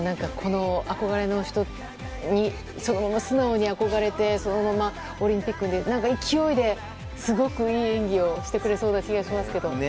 憧れの人に、そのまま素直に憧れてそのままオリンピックに出て何か勢いですごくいい演技をしてくれそうな気がしますが。